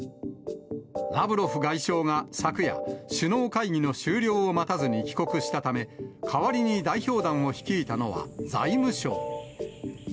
ラブロフ外相が昨夜、首脳会議の終了を待たずに帰国したため、代わりに代表団を率いたのは、財務相。